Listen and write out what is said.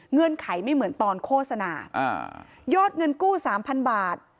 เงื่อนไขไม่เหมือนตอนโฆษณายอดเงินกู้๓๐๐๐บาท